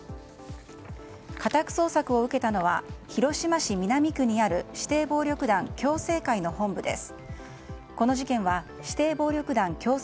家宅捜索を受けたのは広島市南区にある指定暴力団共政会の本部です。